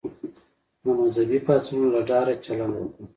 د مذهبي پاڅونونو له ډاره چلند وکړ.